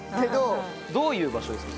どういう場所ですか？